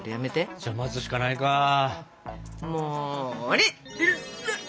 じゃあ待つしかないか。も。